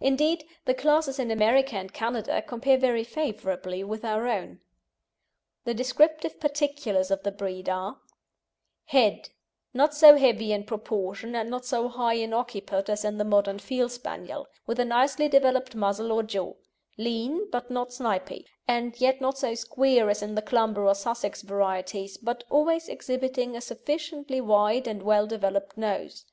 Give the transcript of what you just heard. Indeed, the classes in America and Canada compare very favourably with our own. The descriptive particulars of the breed are: HEAD Not so heavy in proportion and not so high in occiput as in the modern Field Spaniel, with a nicely developed muzzle or jaw; lean, but not snipy, and yet not so square as in the Clumber or Sussex varieties, but always exhibiting a sufficiently wide and well developed nose.